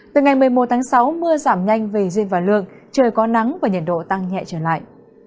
từ ngày một mươi một tháng sáu mưa giảm nhanh về duyên và lượng trời có nắng và nhiệt độ tăng nhẹ trở lại